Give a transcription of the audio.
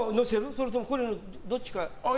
それともこれどっちか？